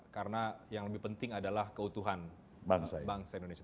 karena yang lebih penting adalah keutuhan bangsa indonesia